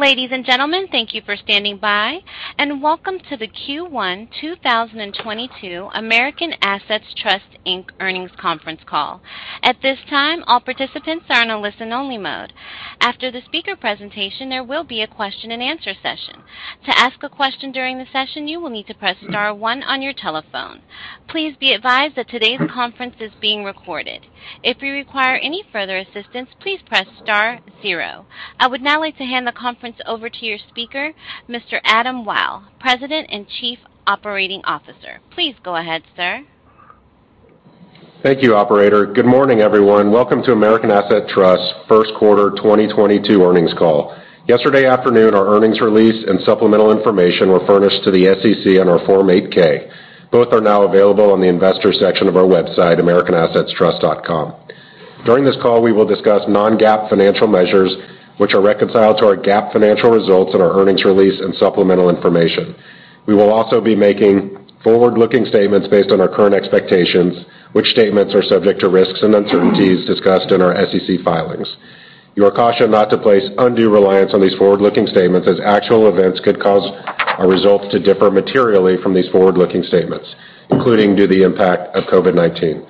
Ladies and gentlemen, thank you for standing by, and welcome to the Q1 2022 American Assets Trust, Inc. earnings conference call. At this time, all participants are in a listen-only mode. After the speaker presentation, there will be a question-and-answer session. To ask a question during the session, you will need to press star one on your telephone. Please be advised that today's conference is being recorded. If you require any further assistance, please press star zero. I would now like to hand the conference over to your speaker, Mr. Adam Wyll, President and Chief Operating Officer. Please go ahead, sir. Thank you, operator. Good morning, everyone. Welcome to American Assets Trust Q1 2022 earnings call. Yesterday afternoon, our earnings release and supplemental information were furnished to the SEC on our Form 8-K. Both are now available on the investor section of our website, americanassetstrust.com. During this call, we will discuss non-GAAP financial measures which are reconciled to our GAAP financial results in our earnings release and supplemental information. We will also be making forward-looking statements based on our current expectations, which statements are subject to risks and uncertainties discussed in our SEC filings. You are cautioned not to place undue reliance on these forward-looking statements, as actual events could cause our results to differ materially from these forward-looking statements, including due to the impact of COVID-19.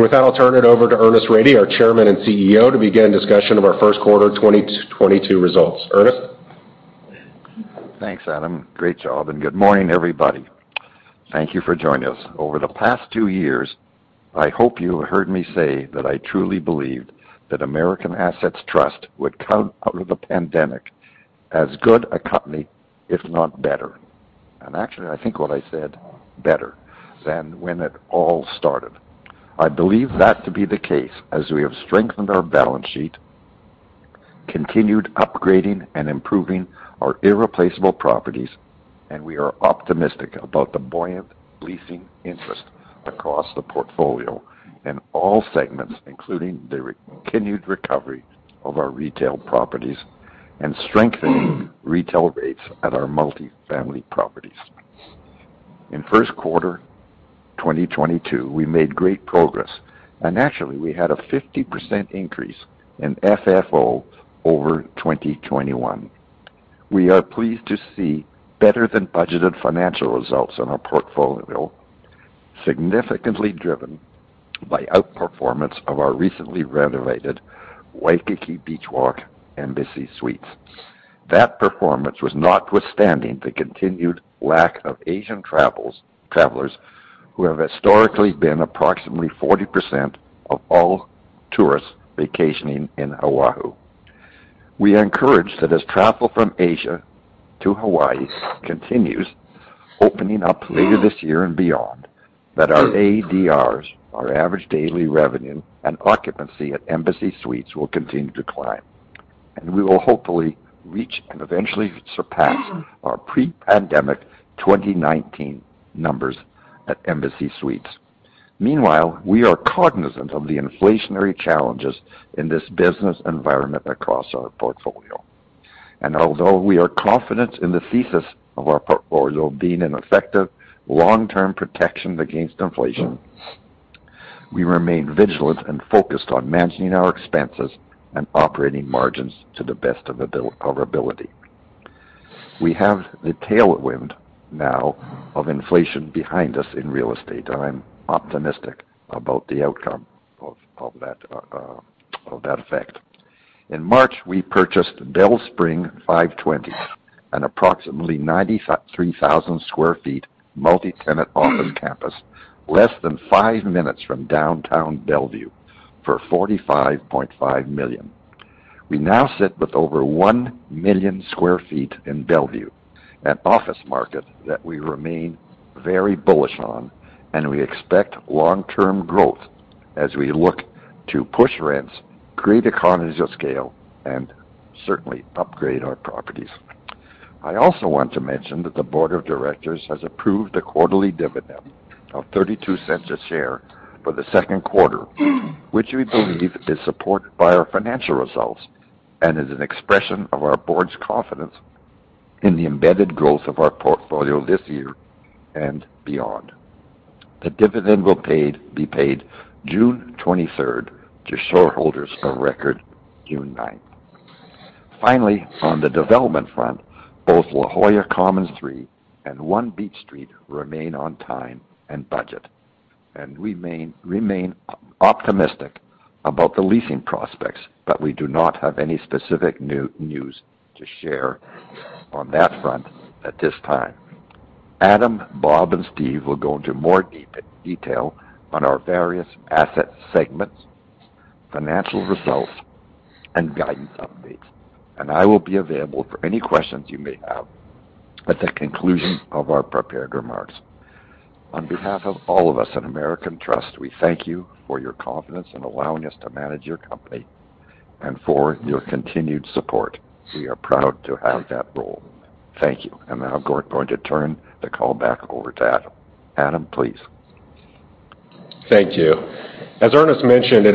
With that, I'll turn it over to Ernest Rady, our Chairman and Chief Executive Officer, to begin discussion of our Q1 2022 results. Ernest? Thanks, Adam. Great job, and good morning, everybody. Thank you for joining us. Over the past two years, I hope you have heard me say that I truly believed that American Assets Trust would come out of the pandemic as good a company, if not better. Actually, I think what I said, better than when it all started. I believe that to be the case as we have strengthened our balance sheet, continued upgrading and improving our irreplaceable properties, and we are optimistic about the buoyant leasing interest across the portfolio in all segments, including the continued recovery of our retail properties and strengthening retail rates at our multifamily properties. In Q1 2022, we made great progress, and actually, we had a 50% increase in FFO over 2021. We are pleased to see better-than-budgeted financial results in our portfolio, significantly driven by outperformance of our recently renovated Waikiki Beach Walk Embassy Suites. That performance was notwithstanding the continued lack of Asian travelers who have historically been approximately 40% of all tourists vacationing in Oahu. We are encouraged that as travel from Asia to Hawaii continues opening up later this year and beyond, that our ADRs, our average daily revenue, and occupancy at Embassy Suites will continue to climb, and we will hopefully reach and eventually surpass our pre-pandemic 2019 numbers at Embassy Suites. Meanwhile, we are cognizant of the inflationary challenges in this business environment across our portfolio. Although we are confident in the thesis of our portfolio being an effective long-term protection against inflation, we remain vigilant and focused on managing our expenses and operating margins to the best of our ability. We have the tailwind now of inflation behind us in real estate, and I'm optimistic about the outcome of that effect. In March, we purchased Bel-Spring 520, an approximately 93,000 sq ft multi-tenant office campus less than five minutes from downtown Bellevue for $45.5 million. We now sit with over 1 million sq ft in Bellevue, an office market that we remain very bullish on, and we expect long-term growth as we look to push rents, create economies of scale, and certainly upgrade our properties. I also want to mention that the board of directors has approved a quarterly dividend of $0.32 a share for the Q2, which we believe is supported by our financial results and is an expression of our board's confidence in the embedded growth of our portfolio this year and beyond. The dividend will be paid June twenty-third to shareholders of record June ninth. Finally, on the development front, both La Jolla Commons Three and One Beach Street remain on time and budget, and we remain optimistic about the leasing prospects, but we do not have any specific news to share on that front at this time. Adam, Bob, and Steve will go into more detail on our various asset segments, financial results, and guidance updates, and I will be available for any questions you may have at the conclusion of our prepared remarks. On behalf of all of us at American Assets Trust, we thank you for your confidence in allowing us to manage your company and for your continued support. We are proud to have that role. Thank you. Now going to turn the call back over to Adam. Adam, please. Thank you. As Ernest mentioned, it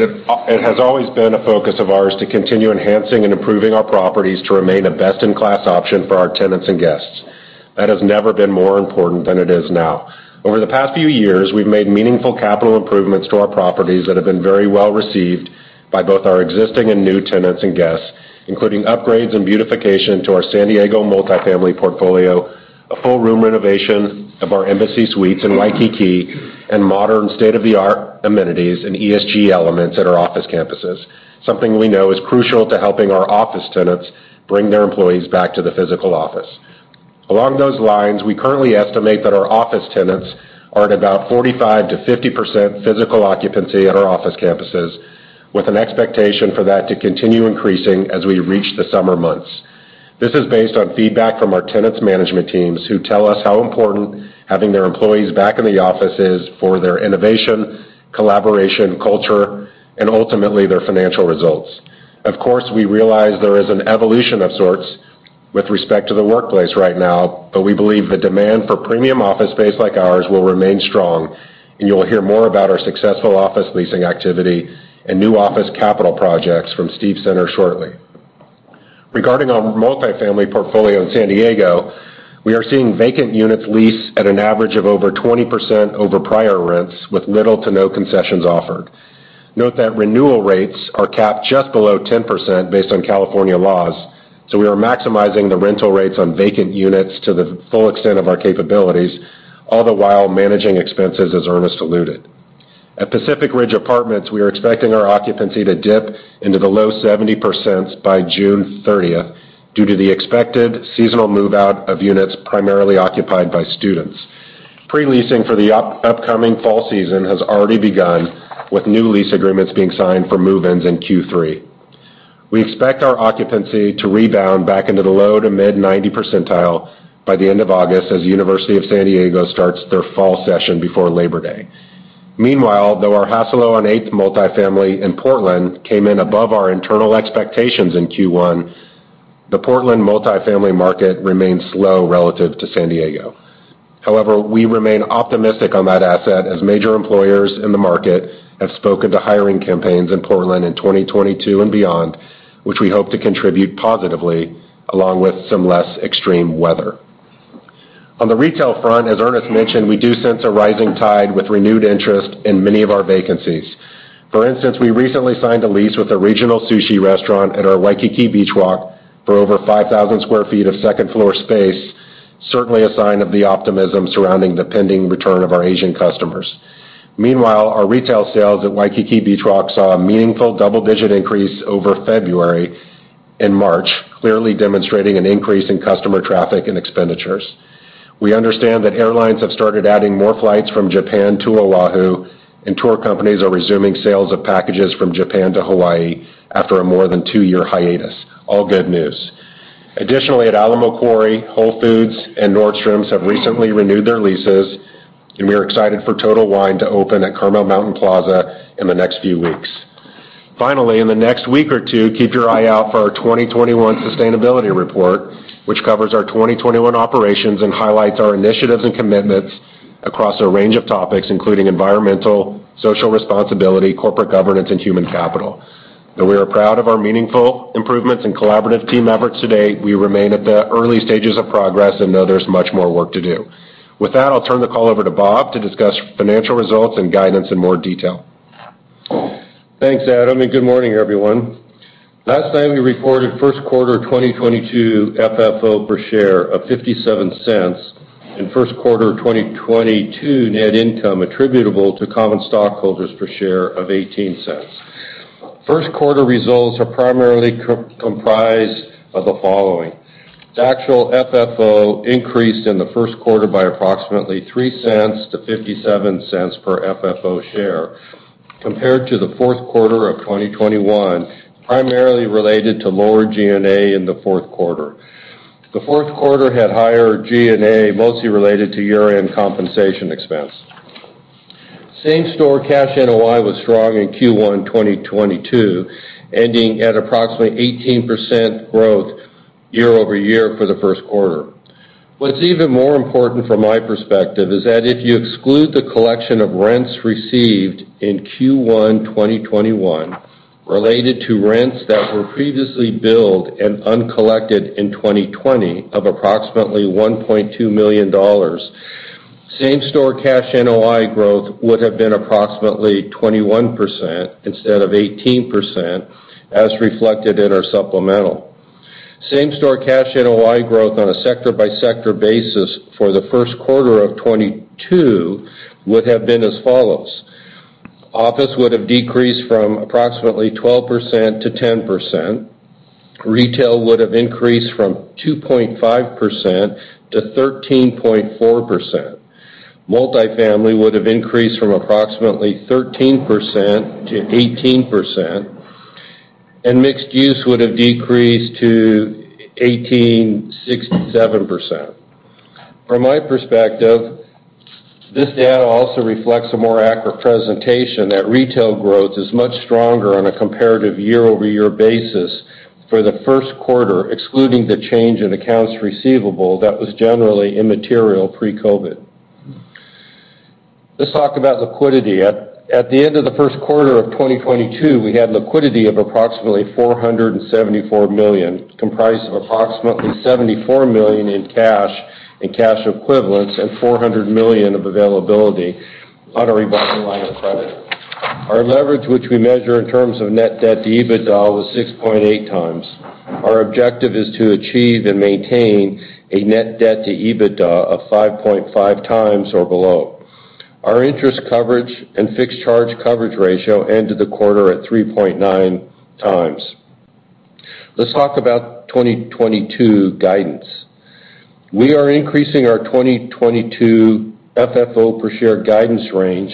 has always been a focus of ours to continue enhancing and improving our properties to remain a best-in-class option for our tenants and guests. That has never been more important than it is now. Over the past few years, we've made meaningful capital improvements to our properties that have been very well received by both our existing and new tenants and guests, including upgrades and beautification to our San Diego multifamily portfolio, a full room renovation of our Embassy Suites in Waikiki, and modern state-of-the-art amenities and ESG elements at our office campuses, something we know is crucial to helping our office tenants bring their employees back to the physical office. Along those lines, we currently estimate that our office tenants are at about 45%-50% physical occupancy at our office campuses, with an expectation for that to continue increasing as we reach the summer months. This is based on feedback from our tenants' management teams, who tell us how important having their employees back in the office is for their innovation, collaboration, culture, and ultimately, their financial results. Of course, we realize there is an evolution of sorts with respect to the workplace right now, but we believe the demand for premium office space like ours will remain strong, and you'll hear more about our successful office leasing activity and new office capital projects from Steve Center shortly. Regarding our multifamily portfolio in San Diego, we are seeing vacant units lease at an average of over 20% over prior rents with little to no concessions offered. Note that renewal rates are capped just below 10% based on California laws, so we are maximizing the rental rates on vacant units to the full extent of our capabilities, all the while managing expenses as Ernest alluded. At Pacific Ridge Apartments, we are expecting our occupancy to dip into the low 70% by June 30 due to the expected seasonal move-out of units primarily occupied by students. Pre-leasing for the upcoming fall season has already begun, with new lease agreements being signed for move-ins in Q3. We expect our occupancy to rebound back into the low- to mid-90% by the end of August as University of San Diego starts their fall session before Labor Day. Meanwhile, though our Hassalo on Eighth multifamily in Portland came in above our internal expectations in Q1, the Portland multifamily market remains slow relative to San Diego. However, we remain optimistic on that asset as major employers in the market have spoken to hiring campaigns in Portland in 2022 and beyond, which we hope to contribute positively along with some less extreme weather. On the retail front, as Ernest mentioned, we do sense a rising tide with renewed interest in many of our vacancies. For instance, we recently signed a lease with a regional sushi restaurant at our Waikiki Beach Walk for over 5,000 sq ft of second-floor space, certainly a sign of the optimism surrounding the pending return of our Asian customers. Meanwhile, our retail sales at Waikiki Beach Walk saw a meaningful double-digit increase over February and March, clearly demonstrating an increase in customer traffic and expenditures. We understand that airlines have started adding more flights from Japan to Oahu, and tour companies are resuming sales of packages from Japan to Hawaii after a more than two-year hiatus. All good news. Additionally, at Alamo Quarry, Whole Foods and Nordstrom have recently renewed their leases, and we are excited for Total Wine to open at Carmel Mountain Plaza in the next few weeks. Finally, in the next week or two, keep your eye out for our 2021 sustainability report, which covers our 2021 operations and highlights our initiatives and commitments across a range of topics, including environmental, social responsibility, corporate governance, and human capital. Now we are proud of our meaningful improvements and collaborative team efforts to date. We remain at the early stages of progress and know there's much more work to do. With that, I'll turn the call over to Bob to discuss financial results and guidance in more detail. Thanks, Adam, and good morning, everyone. Last night, we reported Q1 2022 FFO per share of $0.57 and Q1 2022 net income attributable to common stockholders per share of $0.18. Q1 results are primarily comprised of the following. The actual FFO increased in the Q1 by approximately $0.03 to $0.57 per FFO share compared to the Q4 of 2021, primarily related to lower G&A in the Q4. The Q4 had higher G&A, mostly related to year-end compensation expense. Same-store cash NOI was strong in Q1 2022, ending at approximately 18% growth year-over-year for the Q1. What's even more important from my perspective is that if you exclude the collection of rents received in Q1 2021 related to rents that were previously billed and uncollected in 2020 of approximately $1.2 million, same-store cash NOI growth would have been approximately 21% instead of 18%, as reflected in our supplemental. Same-store cash NOI growth on a sector-by-sector basis for the Q1 of 2022 would have been as follows. Office would have decreased from approximately 12% to 10%. Retail would have increased from 2.5% to 13.4%. Multifamily would have increased from approximately 13% to 18%. Mixed use would have decreased to 18.67%. From my perspective, this data also reflects a more accurate presentation that retail growth is much stronger on a comparative year-over-year basis for the Q1, excluding the change in accounts receivable that was generally immaterial pre-COVID. Let's talk about liquidity. At the end of the Q1 of 2022, we had liquidity of approximately $474 million, comprised of approximately $74 million in cash and cash equivalents and $400 million of availability on a revolving line of credit. Our leverage, which we measure in terms of net debt to EBITDA, was 6.8x. Our objective is to achieve and maintain a net debt to EBITDA of 5.5x or below. Our interest coverage and fixed charge coverage ratio ended the quarter at 3.9x. Let's talk about 2022 guidance. We are increasing our 2022 FFO per share guidance range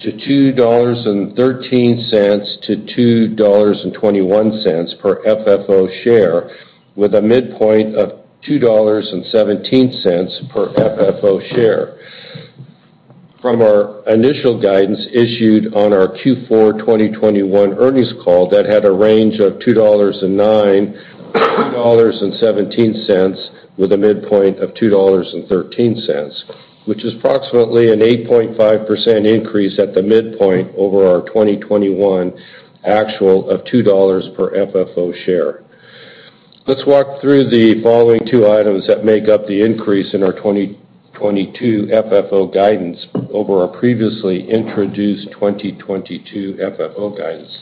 to $2.13-$2.21 per FFO share, with a midpoint of $2.17 per FFO share. From our initial guidance issued on our Q4 2021 earnings call that had a range of $2.09-$2.17 with a midpoint of $2.13, which is approximately an 8.5% increase at the midpoint over our 2021 actual of $2 per FFO share. Let's walk through the following two items that make up the increase in our 2022 FFO guidance over our previously introduced 2022 FFO guidance.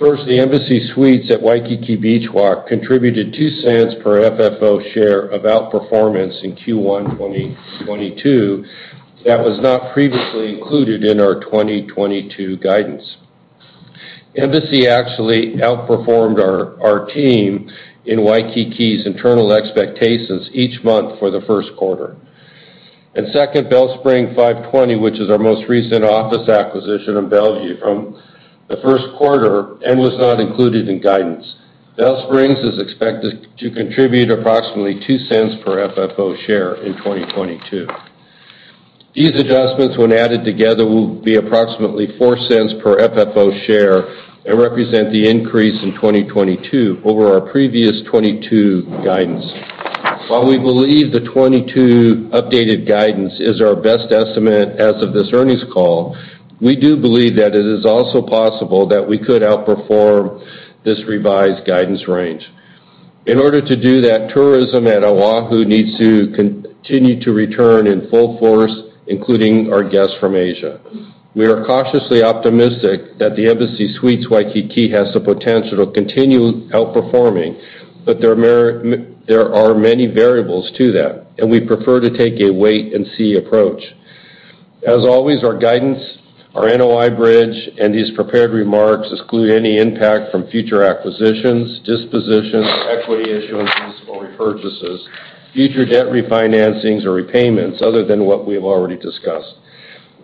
First, the Embassy Suites at Waikiki Beach Walk contributed $0.02 per FFO share of outperformance in Q1 2022 that was not previously included in our 2022 guidance. Embassy actually outperformed our team in Waikiki's internal expectations each month for the Q1. Second, Bel-Spring 520, which is our most recent office acquisition in Bellevue from the Q1 and was not included in guidance. Bel-Spring 520 is expected to contribute approximately $0.02 per FFO share in 2022. These adjustments, when added together, will be approximately $0.04 per FFO share and represent the increase in 2022 over our previous 2022 guidance. While we believe the 2022 updated guidance is our best estimate as of this earnings call, we do believe that it is also possible that we could outperform this revised guidance range. In order to do that, tourism at Oahu needs to continue to return in full force, including our guests from Asia. We are cautiously optimistic that the Embassy Suites Waikiki has the potential to continue outperforming, but there are many variables to that, and we prefer to take a wait and see approach. As always, our guidance, our NOI bridge, and these prepared remarks exclude any impact from future acquisitions, dispositions, equity issuance, or repurchases, future debt refinancings or repayments other than what we have already discussed.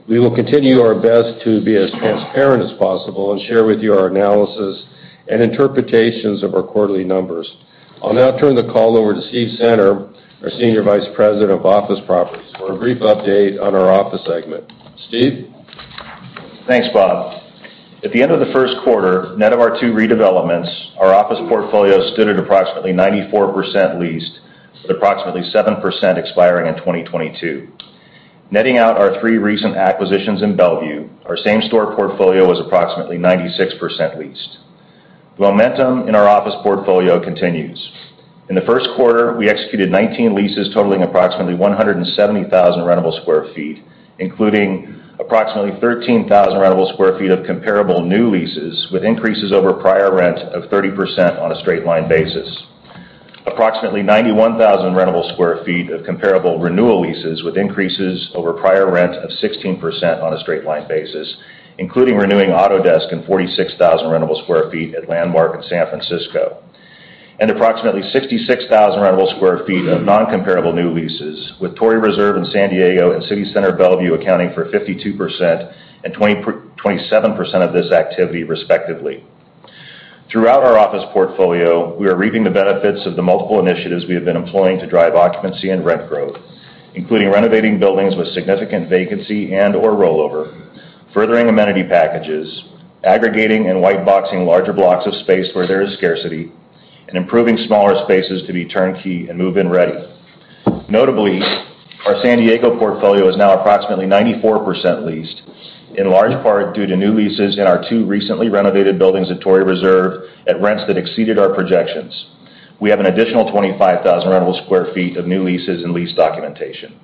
We will do our best to be as transparent as possible and share with you our analysis and interpretations of our quarterly numbers. I'll now turn the call over to Steve Center, our Senior Vice President of Office Properties, for a brief update on our office segment. Steve? Thanks, Bob. At the end of the Q1, net of our two redevelopments, our office portfolio stood at approximately 94% leased, with approximately 7% expiring in 2022. Netting out our three recent acquisitions in Bellevue, our same store portfolio was approximately 96% leased. The momentum in our office portfolio continues. In the Q1, we executed 19 leases totaling approximately 170,000 rentable sq ft, including approximately 13,000 rentable sq ft of comparable new leases, with increases over prior rent of 30% on a straight line basis. Approximately 91,000 rentable sq ft of comparable renewal leases, with increases over prior rent of 16% on a straight line basis, including renewing Autodesk and 46,000 rentable sq ft at Landmark in San Francisco. Approximately 66,000 rentable sq ft of non-comparable new leases, with Torrey Reserve in San Diego and City Center Bellevue accounting for 52% and 27% of this activity respectively. Throughout our office portfolio, we are reaping the benefits of the multiple initiatives we have been employing to drive occupancy and rent growth, including renovating buildings with significant vacancy and/or rollover, furthering amenity packages, aggregating and white boxing larger blocks of space where there is scarcity, and improving smaller spaces to be turnkey and move-in ready. Notably, our San Diego portfolio is now approximately 94% leased, in large part due to new leases in our two recently renovated buildings at Torrey Reserve at rents that exceeded our projections. We have an additional 25,000 rentable sq ft of new leases and lease documentation.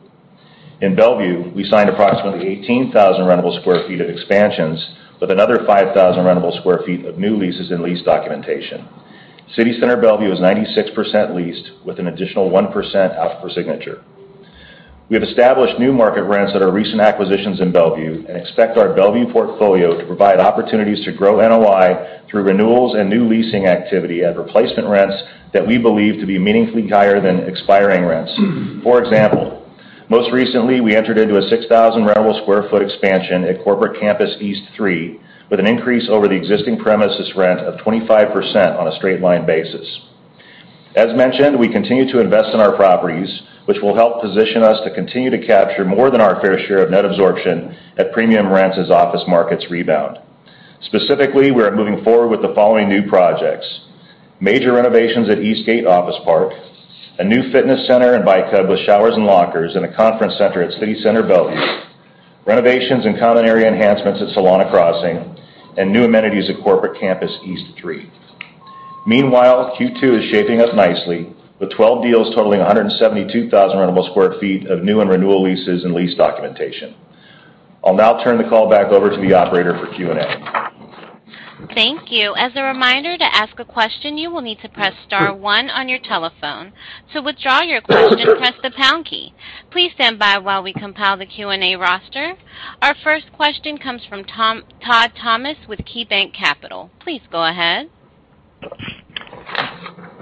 In Bellevue, we signed approximately 18,000 rentable sq ft of expansions, with another 5,000 rentable sq ft of new leases and lease documentation. City Center Bellevue is 96% leased, with an additional 1% out for signature. We have established new market rents at our recent acquisitions in Bellevue and expect our Bellevue portfolio to provide opportunities to grow NOI through renewals and new leasing activity at replacement rents that we believe to be meaningfully higher than expiring rents. For example, most recently, we entered into a 6,000 rentable sq ft expansion at Corporate Campus East Three, with an increase over the existing premises rent of 25% on a straight line basis. As mentioned, we continue to invest in our properties, which will help position us to continue to capture more than our fair share of net absorption at premium rents as office markets rebound. Specifically, we are moving forward with the following new projects, major renovations at Eastgate Office Park, a new fitness center and bike hub with showers and lockers, and a conference center at City Center Bellevue, renovations and common area enhancements at Solana Crossing, and new amenities at Corporate Campus East Three. Meanwhile, Q2 is shaping up nicely, with 12 deals totaling 172,000 rentable sq ft of new and renewal leases and lease documentation. I'll now turn the call back over to the operator for Q&A. Thank you. As a reminder, to ask a question, you will need to press star one on your telephone. To withdraw your question, press the pound key. Please stand by while we compile the Q&A roster. Our first question comes from Todd Thomas with KeyBanc Capital. Please go ahead.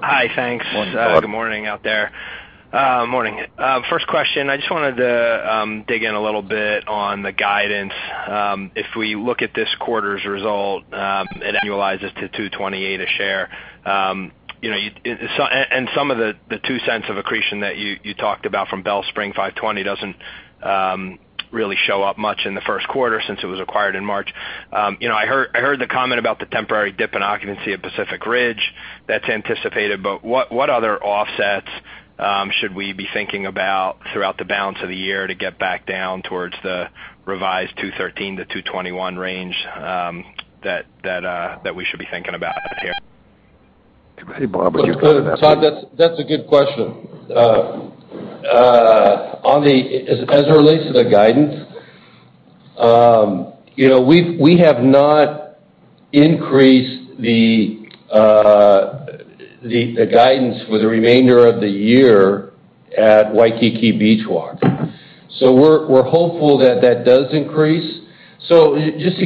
Hi. Thanks. Morning, Todd. Good morning out there. Morning. First question, I just wanted to dig in a little bit on the guidance. If we look at this quarter's result, it annualizes to $2.28 a share. You know, and some of the $0.02 of accretion that you talked about from Bel-Spring 520 doesn't really show up much in the Q1 since it was acquired in March. You know, I heard the comment about the temporary dip in occupancy at Pacific Ridge. That's anticipated. But what other offsets should we be thinking about throughout the balance of the year to get back down towards the revised $2.13-$2.21 range that we should be thinking about here? Hey, Bob, would you comment on that please? Todd, that's a good question. As it relates to the guidance, you know, we have not increased the guidance for the remainder of the year at Waikiki Beach Walk. We're hopeful that does increase. Just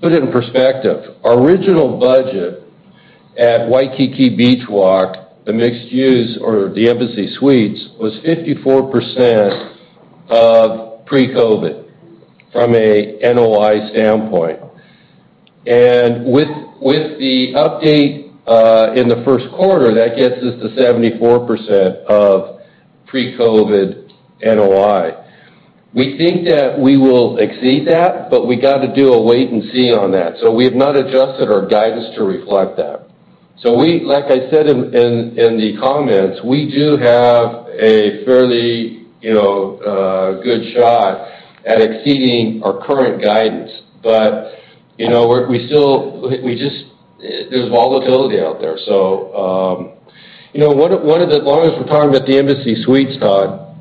put it in perspective, our original budget at Waikiki Beach Walk, the mixed use or the Embassy Suites, was 54% of pre-COVID from a NOI standpoint. With the update in the Q1, that gets us to 74% of pre-COVID NOI. We think that we will exceed that, but we got to do a wait and see on that. We have not adjusted our guidance to reflect that. Like I said in the comments, we do have a fairly, you know, good shot at exceeding our current guidance. You know, there's volatility out there. You know, one of the—as long as we're talking about the Embassy Suites, Todd,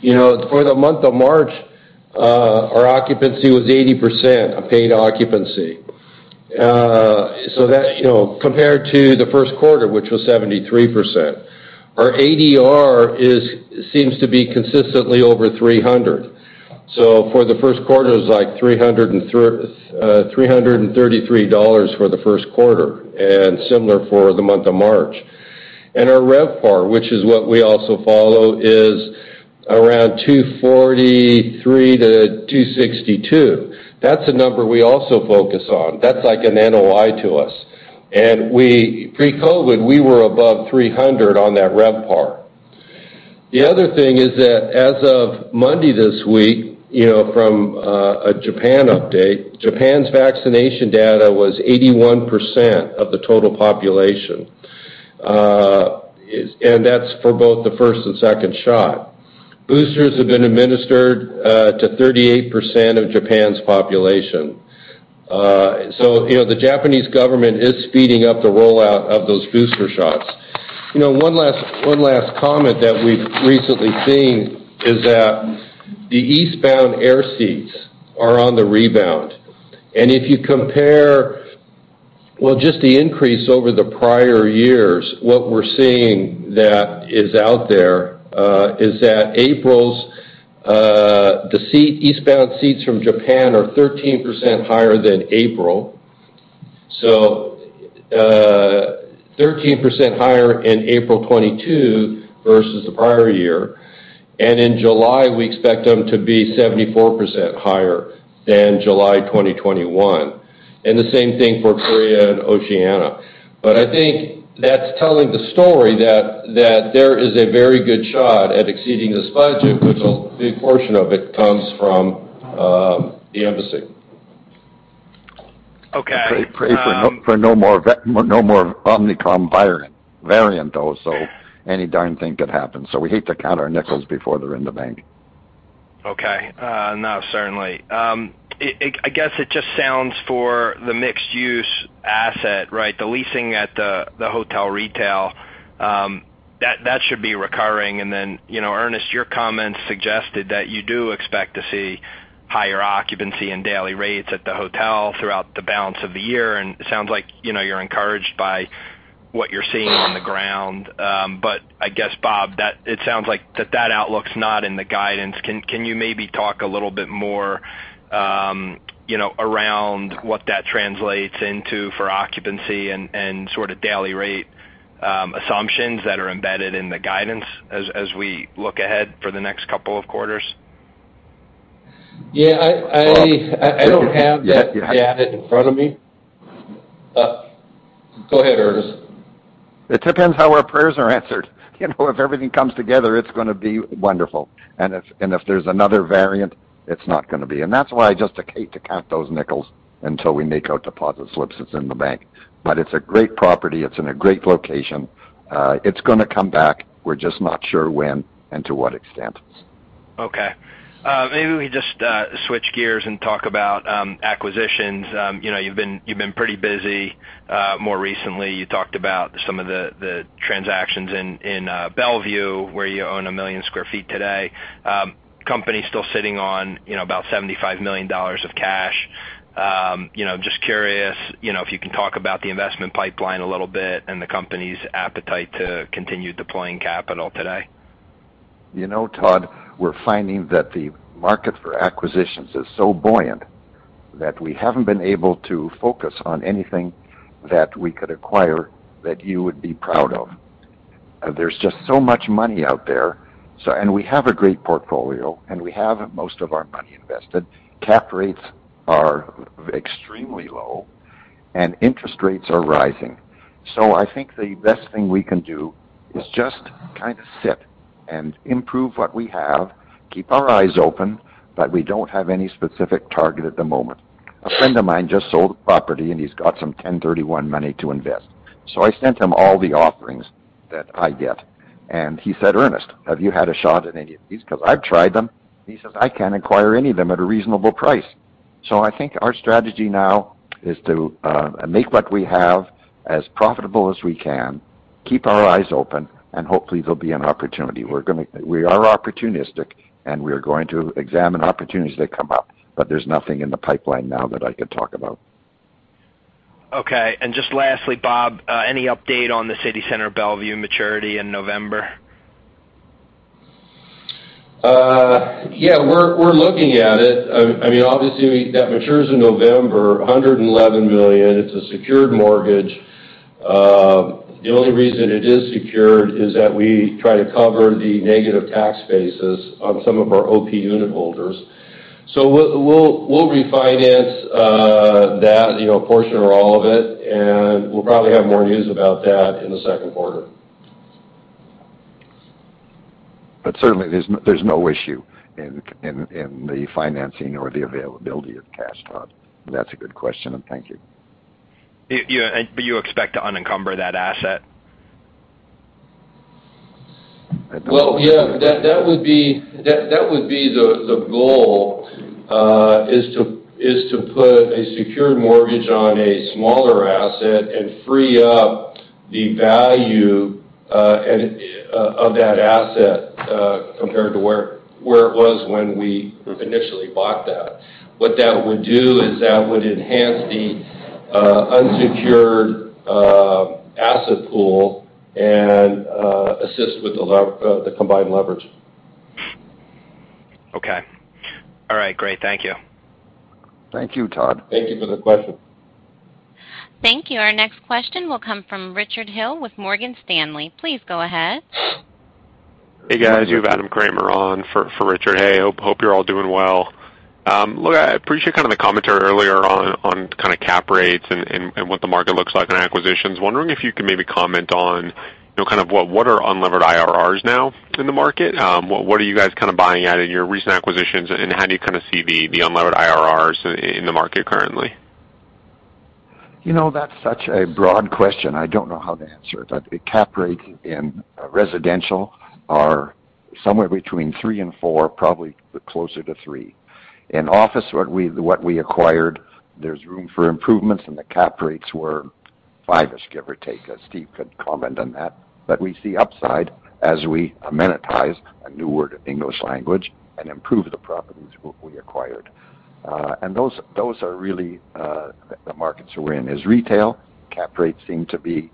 you know, for the month of March, our occupancy was 80%, a paid occupancy, so that, you know, compared to the Q1, which was 73%. Our ADR seems to be consistently over 300. For the Q1, it was like $333 for the Q1 and similar for the month of March. Our RevPAR, which is what we also follow, is around 243-262. That's a number we also focus on. That's like an NOI to us. Pre-COVID, we were above 300 on that RevPAR. The other thing is that as of Monday this week, you know, from a Japan update, Japan's vaccination data was 81% of the total population. And that's for both the first and second shot. Boosters have been administered to 38% of Japan's population. So, you know, the Japanese government is speeding up the rollout of those booster shots. You know, one last comment that we've recently seen is that the eastbound air seats are on the rebound. If you compare, well, just the increase over the prior years, what we're seeing that is out there is that April's eastbound seats from Japan are 13% higher than April. 13% higher in April 2022 versus the prior year. In July, we expect them to be 74% higher than July 2021. The same thing for Korea and Oceania. I think that's telling the story that there is a very good shot at exceeding this budget, which a big portion of it comes from, the Embassy. Okay. Pray for no more Omicron variant though, so any darn thing could happen. We hate to count our nickels before they're in the bank. Okay. No, certainly. It just sounds for the mixed use asset, right? The leasing at the hotel retail, that should be recurring. Then, you know, Ernest, your comments suggested that you do expect to see higher occupancy and daily rates at the hotel throughout the balance of the year. It sounds like, you know, you're encouraged by what you're seeing on the ground. But I guess, Bob, that it sounds like that outlook's not in the guidance. Can you maybe talk a little bit more, you know, around what that translates into for occupancy and sort of daily rate assumptions that are embedded in the guidance as we look ahead for the next couple of quarters? Yeah. Bob. I don't have that data in front of me. Go ahead, Ernest. It depends how our prayers are answered. You know, if everything comes together, it's gonna be wonderful. If there's another variant, it's not gonna be. That's why I just hate to count those nickels until we make our deposit slips that's in the bank. It's a great property. It's in a great location. It's gonna come back. We're just not sure when and to what extent. Okay. Maybe we just switch gears and talk about acquisitions. You know, you've been pretty busy. More recently, you talked about some of the transactions in Bellevue, where you own 1 million sq ft today. Company's still sitting on, you know, about $75 million of cash. You know, just curious, you know, if you can talk about the investment pipeline a little bit and the company's appetite to continue deploying capital today. You know, Todd, we're finding that the market for acquisitions is so buoyant that we haven't been able to focus on anything that we could acquire that you would be proud of. There's just so much money out there. We have a great portfolio, and we have most of our money invested. Cap rates are extremely low, and interest rates are rising. I think the best thing we can do is just kinda sit and improve what we have, keep our eyes open, but we don't have any specific target at the moment. A friend of mine just sold a property, and he's got some 1031 money to invest. I sent him all the offerings that I get, and he said, "Ernest, have you had a shot at any of these? 'Cause I've tried them." He says, "I can't acquire any of them at a reasonable price." I think our strategy now is to make what we have as profitable as we can, keep our eyes open, and hopefully there'll be an opportunity. We are opportunistic, and we are going to examine opportunities that come up, but there's nothing in the pipeline now that I can talk about. Okay. Just lastly, Bob, any update on the City Center Bellevue maturity in November? Yeah, we're looking at it. I mean, obviously, that matures in November, $111 million. It's a secured mortgage. The only reason it is secured is that we try to cover the negative tax bases on some of our OP unit holders. We'll refinance that, you know, portion or all of it, and we'll probably have more news about that in the Q2. Certainly there's no issue in the financing or the availability of cash, Todd. That's a good question, and thank you. Do you expect to unencumber that asset? I don't- Well, yeah. That would be the goal is to put a secured mortgage on a smaller asset and free up the value of that asset compared to where it was when we initially bought that. What that would do is that would enhance the unsecured asset pool and assist with the combined leverage. Okay. All right. Great. Thank you. Thank you, Todd. Thank you for the question. Thank you. Our next question will come from Richard Hill with Morgan Stanley. Please go ahead. Hey, guys. You have Adam Kramer on for Richard. Hey, hope you're all doing well. Look, I appreciate kinda the commentary earlier on kinda cap rates and what the market looks like in acquisitions. Wondering if you could maybe comment on, you know, kind of what are unlevered IRRs now in the market. What are you guys kinda buying at in your recent acquisitions, and how do you kinda see the unlevered IRRs in the market currently? You know, that's such a broad question. I don't know how to answer it. The cap rate in residential is somewhere between 3% and 4%, probably closer to 3%. In office, what we acquired, there's room for improvements, and the cap rates were 5%-ish, give or take, as Steve could comment on that. We see upside as we amenitize, a new word in English language, and improve the properties we acquired. Those are really the markets we're in is retail. Cap rates seem to be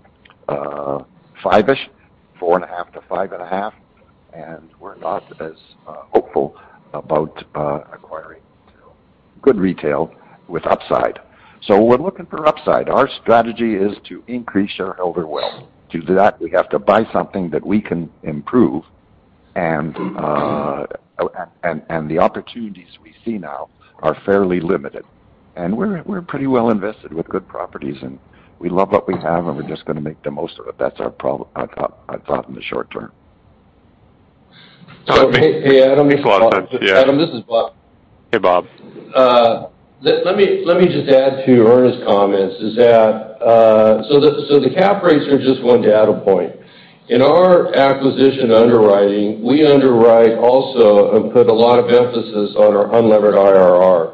5%-ish, 4.5%-5.5%, and we're not as hopeful about acquiring too good retail with upside. We're looking for upside. Our strategy is to increase shareholder wealth. To do that, we have to buy something that we can improve. The opportunities we see now are fairly limited. We're pretty well invested with good properties, and we love what we have, and we're just gonna make the most of it. That's our thought in the short term. Hey, Adam. Go on, Todd. Yeah. Adam, this is Bob. Hey, Bob. Let me just add to Ernest's comments. So the cap rates are just one data point. In our acquisition underwriting, we underwrite also and put a lot of emphasis on our unlevered IRR.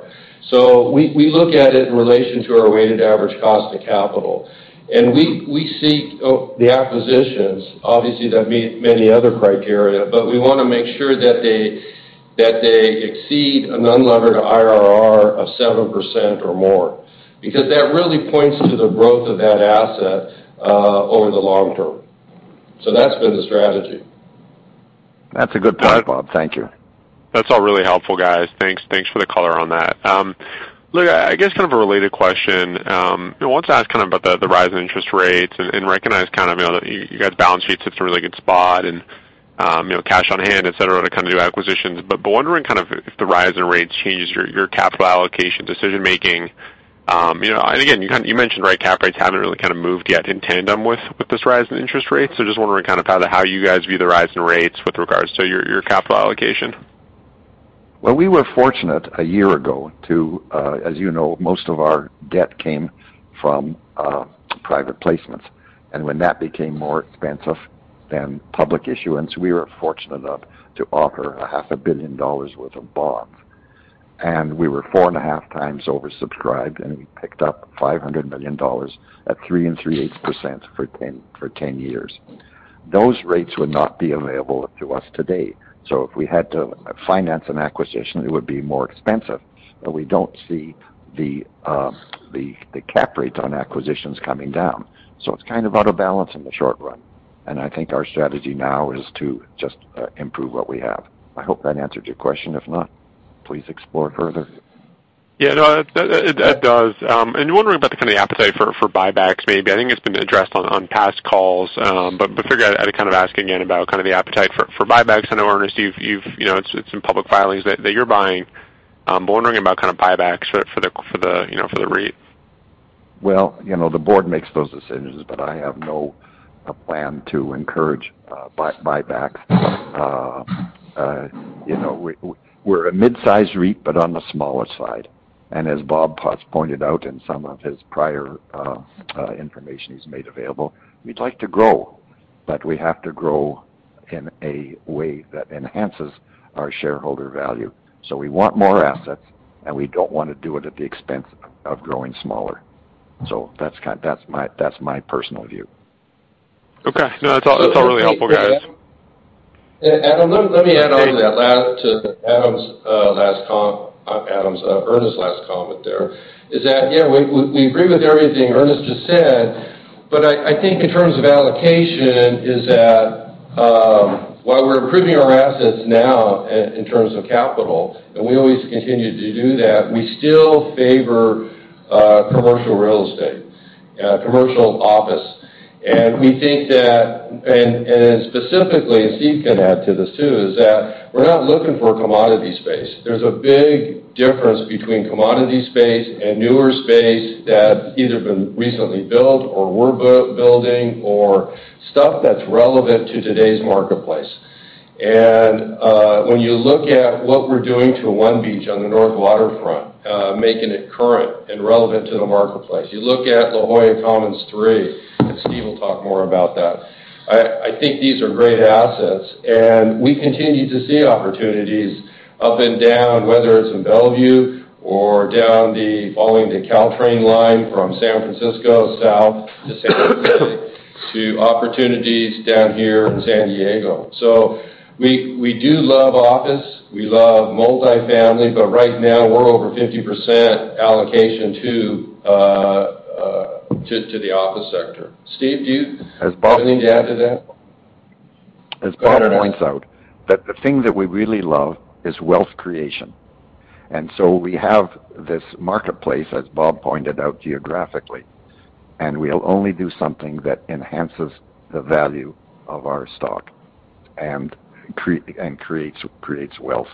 So we look at it in relation to our weighted average cost of capital. We seek the acquisitions, obviously, that meet many other criteria, but we wanna make sure that they exceed an unlevered IRR of 7% or more. Because that really points to the growth of that asset over the long term. That's been the strategy. That's a good point, Bob. Thank you. That's all really helpful, guys. Thanks for the color on that. Look, I guess kind of a related question. I want to ask kind of about the rise in interest rates and recognize kind of, you know, that you guys' balance sheet sits in a really good spot and, you know, cash on hand, et cetera, to kind of do acquisitions. Wondering kind of if the rise in rates changes your capital allocation decision making. You know, and again, you kind of mentioned, right, cap rates haven't really kind of moved yet in tandem with this rise in interest rates. Just wondering kind of how you guys view the rise in rates with regards to your capital allocation. Well, we were fortunate a year ago to, as you know, most of our debt came from private placements. When that became more expensive than public issuance, we were fortunate enough to offer half a billion dollars' worth of bond. We were 4.5x oversubscribed, and we picked up $500 million at 3%/8% for 10 years. Those rates would not be available to us today. If we had to finance an acquisition, it would be more expensive, but we don't see the cap rate on acquisitions coming down. It's kind of out of balance in the short run. I think our strategy now is to just improve what we have. I hope that answered your question. If not, please explore further. Yeah, no, that it does. You're wondering about the kind of appetite for buybacks maybe. I think it's been addressed on past calls. Figure I'd kind of ask again about the kind of appetite for buybacks. I know, Ernest, you've, you know, it's in public filings that you're buying. Wondering about buybacks for the, you know, for the REIT. Well, you know, the board makes those decisions, but I have no plan to encourage buybacks. You know, we're a mid-size REIT, but on the smaller side. As Bob Barton pointed out in some of his prior information he's made available, we'd like to grow, but we have to grow in a way that enhances our shareholder value. We want more assets, and we don't wanna do it at the expense of growing smaller. That's my personal view. Okay. No, that's all really helpful, guys. Adam, let me add on to that. To Ernest's last comment there, yeah, we agree with everything Ernest just said, but I think in terms of allocation is that, while we're improving our assets now in terms of capital, and we always continue to do that, we still favor commercial real estate, commercial office. We think that specifically, Steve can add to this too, is that we're not looking for commodity space. There's a big difference between commodity space and newer space that either been recently built or we're building or stuff that's relevant to today's marketplace. When you look at what we're doing to One Beach on the North Waterfront, making it current and relevant to the marketplace. You look at La Jolla Commons III, and Steve will talk more about that. I think these are great assets, and we continue to see opportunities up and down, whether it's in Bellevue or following the Caltrain line from San Francisco south to San Jose, to opportunities down here in San Diego. We do love office, we love multifamily, but right now we're over 50% allocation to the office sector. Steve, do you- As Bob- Anything to add to that? Bob points out that the thing that we really love is wealth creation. We have this marketplace, as Bob pointed out geographically, and we'll only do something that enhances the value of our stock and creates wealth.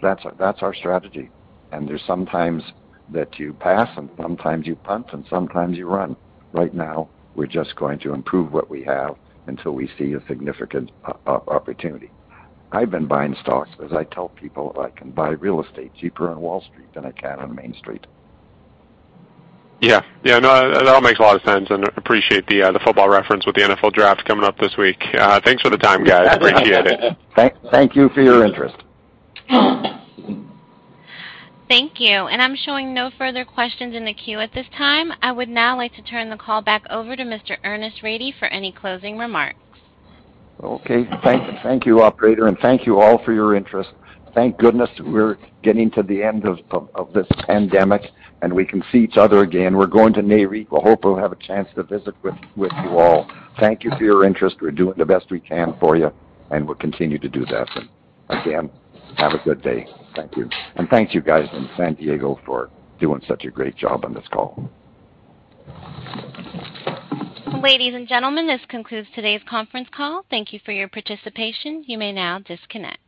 That's our strategy. There's sometimes that you pass, and sometimes you punt, and sometimes you run. Right now, we're just going to improve what we have until we see a significant opportunity. I've been buying stocks, as I tell people. I can buy real estate cheaper on Wall Street than I can on Main Street. Yeah, no, that all makes a lot of sense, and appreciate the football reference with the NFL draft coming up this week. Thanks for the time, guys. Appreciate it. Thank you for your interest. Thank you. I'm showing no further questions in the queue at this time. I would now like to turn the call back over to Mr. Ernest Rady for any closing remarks. Okay. Thank you, operator, and thank you all for your interest. Thank goodness we're getting to the end of this pandemic, and we can see each other again. We're going to Nareit. We hope we'll have a chance to visit with you all. Thank you for your interest. We're doing the best we can for you, and we'll continue to do that. Again, have a good day. Thank you. Thank you guys in San Diego for doing such a great job on this call. Ladies and gentlemen, this concludes today's conference call. Thank you for your participation. You may now disconnect.